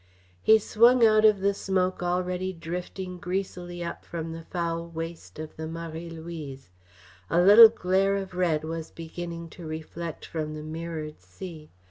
He swung out of the smoke already drifting greasily up from the foul waist of the Marie Louise. A little glare of red was beginning to reflect from the mirrored sea.